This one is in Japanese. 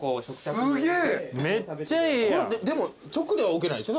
でも直では置けないでしょ